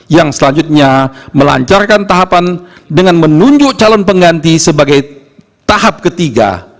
yang selanjutnya melancarkan tahapan dengan menunjuk calon pengganti sebagai tahap ketiga